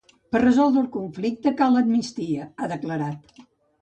Per resoldre el conflicte, cal amnistia, ha declarat.